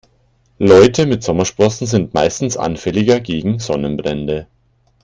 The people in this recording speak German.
Leute mit Sommersprossen sind meistens anfälliger gegen Sonnenbrände.